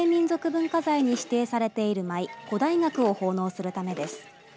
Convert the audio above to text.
文化財に指定されている舞古代楽を奉納するためです。